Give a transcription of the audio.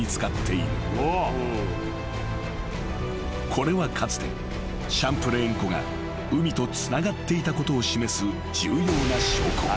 ［これはかつてシャンプレーン湖が海とつながっていたことを示す重要な証拠］